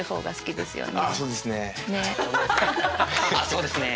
「そうですね」